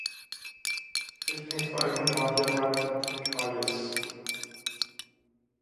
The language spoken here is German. Richtungsweisend war hierbei Patrick Hayes.